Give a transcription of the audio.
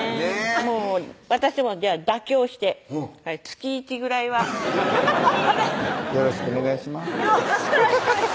もう私も妥協して月１ぐらいはよろしくお願いします